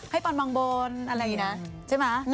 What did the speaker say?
ให้ปอนด์วางโบนอะไรอย่างนี้นะใช่ไหม